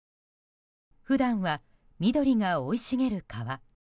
普段は緑が生い茂る川。